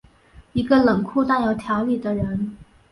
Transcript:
一个冷酷但有条理的人。